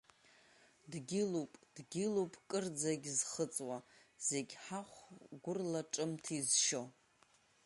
Дгьылуп, дгьылуп, кырӡагь зхыҵуа, зегь ҳахә гәрла ҿымҭ изшьо.